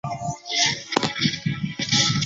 现在蒙古包顶部均已涂上橙色或棕色。